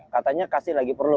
katanya kasih lagi perlu